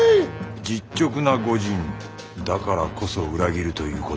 実直な御仁だからこそ裏切るということでは。